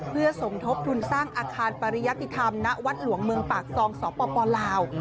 เพื่อสมทบทุนสร้างอาคารปริยติธรรมณวัดหลวงเมืองปากซองสปลาว